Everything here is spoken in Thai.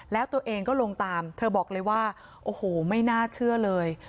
แล้วตัวเองก็ลงตามเธอบอกเลยว่าโอ้โหไม่น่าเชื่อเลย